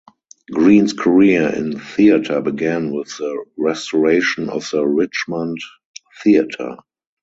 Greene’s career in theatre began with the restoration of the Richmond Theatre.